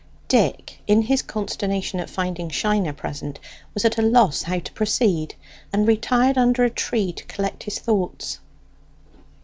Dick, in his consternation at finding Shiner present, was at a loss how to proceed, and retired under a tree to collect his thoughts.